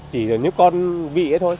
chỉ là những con bị ấy thôi